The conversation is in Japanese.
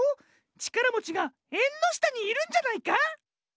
ちからもちがえんのしたにいるんじゃないか？